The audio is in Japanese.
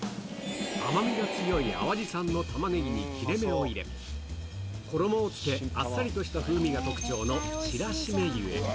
甘みが強い淡路産のタマネギに切れ目を入れ、衣をつけ、あっさりとした風味が特徴の白絞油。